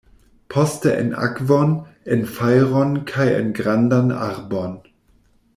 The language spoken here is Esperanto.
Poste en akvon, en fajron kaj en grandan arbon.